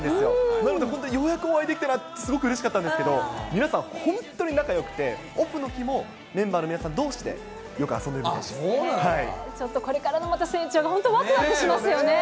なので本当にようやくお会いできたなってすごいうれしかったんですけど、皆さん本当に仲よくて、オフのときもメンバーの皆さんどうしでよちょっとこれからもまた成長が本当わくわくしますよね。